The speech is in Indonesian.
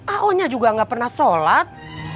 aonya juga gak pernah sholat